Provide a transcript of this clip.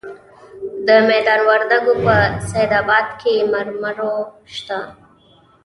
د میدان وردګو په سید اباد کې مرمر شته.